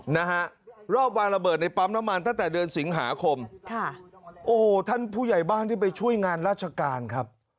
นะฮะรอบวางระเบิดในปั๊มน้ำมันตั้งแต่เดือนสิงหาคมค่ะโอ้โหท่านผู้ใหญ่บ้านที่ไปช่วยงานราชการครับ